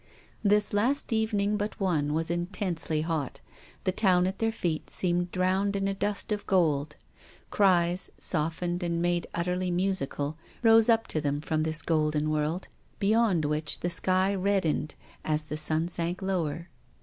This last evening but one was intensely hot ; the town at their feet seemed drowning in a dust of gold. Cries, softened and made utterly musical, rose up to them from this golden world, beyond which the sky reddened as the sun sank lower.